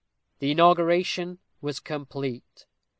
The inauguration was complete.